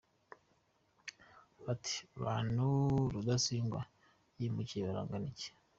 Bati abantu Rudasingwa yahemukiye barangana iki ?